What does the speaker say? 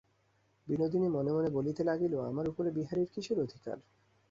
বিনোদিনী মনে মনে বলিতে লাগিল, আমার উপরে বিহারীর কিসের অধিকার।